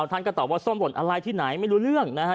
ท่านก็ตอบว่าส้มหล่นอะไรที่ไหนไม่รู้เรื่องนะฮะ